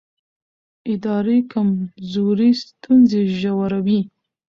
اداري کمزوري ستونزې ژوروي